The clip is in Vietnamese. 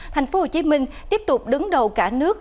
tp hcm tiếp tục đứng đầu cả nước